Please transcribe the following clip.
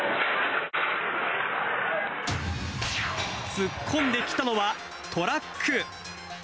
突っ込んできたのはトラック。